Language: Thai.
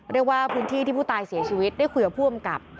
เรียกว่าพื้นที่ที่ผู้ตายเสียชีวิตได้คุยกับผู้อำกับ